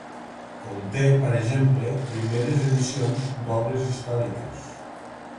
Conté, per exemple, primeres edicions d'obres històriques.